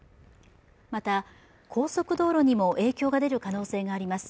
また高速道路にも影響が出る可能性があります。